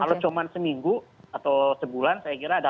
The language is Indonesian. kalau cuma seminggu atau sebulan saya kira ada